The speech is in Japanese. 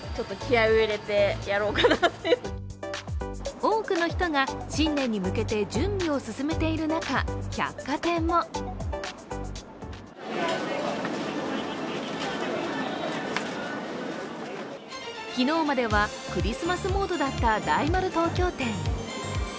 多くの人が新年に向けて準備を進めている中、百貨店も昨日まではクリスマスモードだった大丸東京店。